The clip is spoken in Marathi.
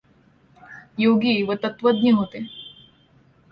योगी व तत्त्वज्ञ होते.